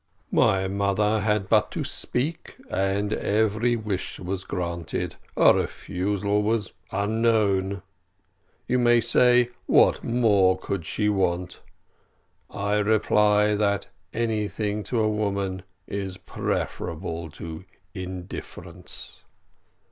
My mother had but to speak, and every wish was granted a refusal was unknown. You may say, what could she want more; I reply, that anything to a woman is preferable to indifference.